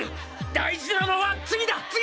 大事なのは次だ次！